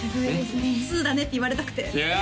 通だねって言われたくてうわ